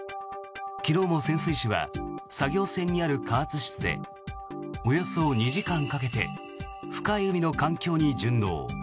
昨日も潜水士は作業船にある加圧室でおよそ２時間かけて深い海の環境に順応。